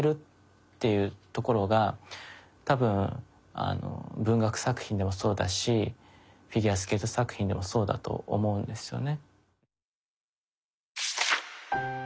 っていうところが多分文学作品でもそうだしフィギュアスケート作品でもそうだと思うんですよね。